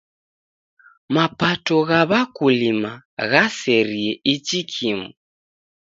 Mapato gha w'akulima ghaserie ichi kimu.